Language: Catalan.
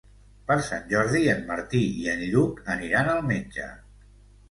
Per Sant Jordi en Martí i en Lluc aniran al metge.